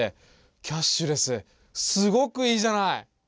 キャッシュレスすごくいいじゃない！